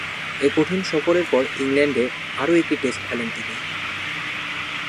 এ কঠিন সফরের পর ইংল্যান্ডে আরও একটি টেস্ট খেলেন তিনি।